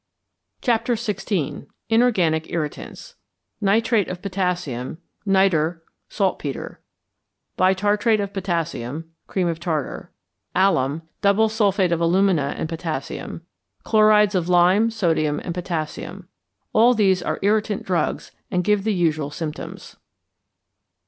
XVI. INORGANIC IRRITANTS =Nitrate of Potassium (Nitre, Saltpetre) Bitartrate of Potassium (Cream of Tartar) Alum (Double Sulphate of Alumina and Potassium) Chlorides of Lime, Sodium, and Potassium.= All these are irritant drugs, and give the usual symptoms.